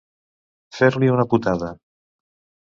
Fer-li una putada.